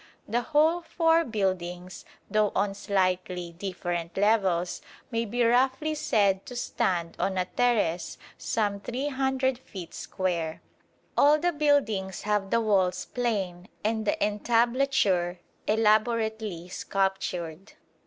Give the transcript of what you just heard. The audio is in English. The whole four buildings, though on slightly different levels, may be roughly said to stand on a terrace some 300 feet square. All the buildings have the walls plain and the entablature elaborately sculptured.